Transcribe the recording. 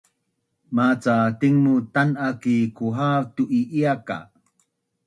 maca tingbut tan’a ki kuhav tu’i’ia ka’